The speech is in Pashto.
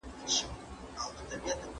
او مني چې دا غوره دي.